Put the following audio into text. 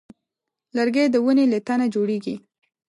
لرګی د ونې له تنه جوړېږي.